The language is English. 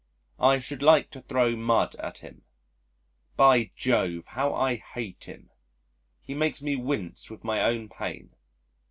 I should like to throw mud at him. By Jove, how I hate him. He makes me wince with my own pain.